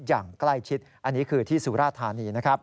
อย่างใกล้ชิดอันนี้คือที่สุราธานีนะครับ